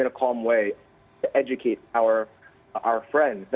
untuk mengajarkan teman teman kita